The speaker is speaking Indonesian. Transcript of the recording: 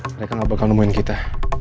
mereka gak bakal nemuin kita